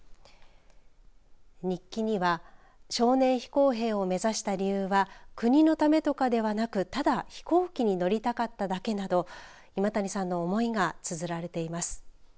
日記には少年飛行兵を目指した理由は国のためとかではなくただ飛行機に乗りたかっただけなど今谷さんの思いがつづられています。